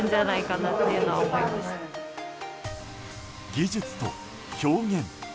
技術と表現。